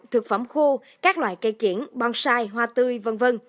thực phẩm khô các loại cây kiển bonsai hoa tươi v v